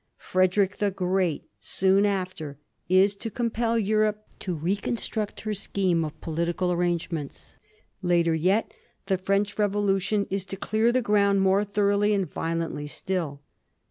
Frederick the Great, soon after, is to compel Europe to recon struct her scheme of political arrangements ; later yet, the French Revolution is to clear the ground more thoroughly and violently still.